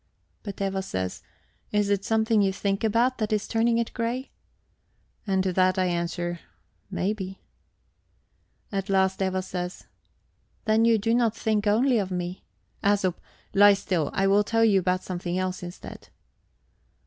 But Eva says: 'Is it something you think about, that is turning it grey?' And to that I answer: 'Maybe.' At last Eva says: 'Then you do not think only of me...' Æsop, lie still; I will tell you about something else instead..."